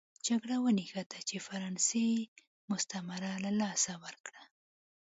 جګړه ونښته چې فرانسې مستعمره له لاسه ورکړه.